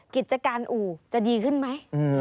กิจการอู่จะดีขึ้นไหม